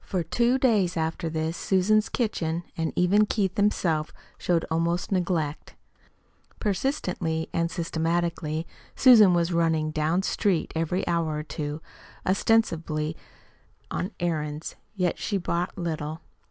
For two days after this Susan's kitchen, and even Keith himself, showed almost neglect; persistently and systematically Susan was running "down street" every hour or two ostensibly on errands, yet she bought little.